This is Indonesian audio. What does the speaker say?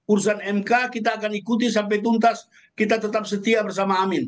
urusan mk kita akan ikuti sampai tuntas kita tetap setia bersama amin